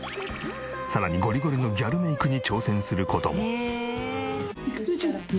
さらにゴリゴリのギャルメイクに挑戦する事も。